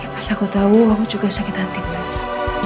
ya pas aku tau aku juga sakit hantibis